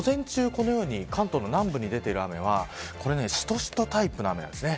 このように関東の南部に出ている雨はしとしとタイプの雨です。